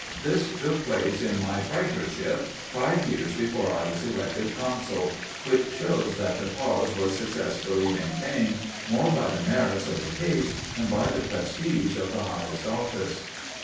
This took place in my praetorship, five years before I was elected consul, which shows that the cause was successfully maintained more by the merits of the case than by the prestige of the highest office.